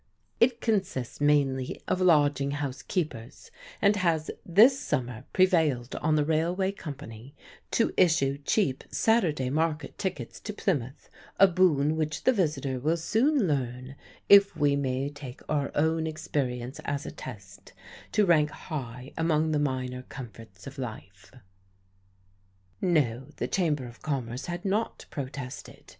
It consists mainly of lodging house keepers, and has this summer prevailed on the Railway Company to issue cheap Saturday market tickets to Plymouth a boon which the visitor will soon learn (if we may take our own experience as a test) to rank high among the minor comforts of life. No; the Chamber of Commerce had not protested.